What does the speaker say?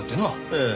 ええ。